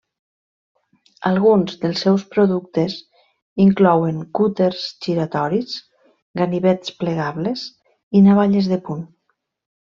Alguns dels seus productes inclouen cúters giratoris, ganivets plegables i navalles de punt.